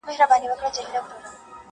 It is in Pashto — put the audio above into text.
هر څوک خپل بار وړي تل،